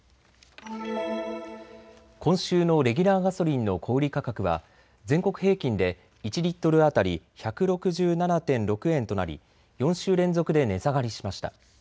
今週のレギュラーガソリンの小売価格は全国平均で１リットル当たり１６７．６円となり４週連続で値下がりしました。